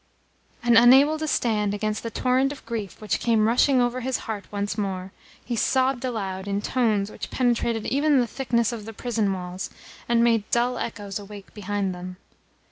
And, unable to stand against the torrent of grief which came rushing over his heart once more, he sobbed aloud in tones which penetrated even the thickness of the prison walls, and made dull echoes awake behind them.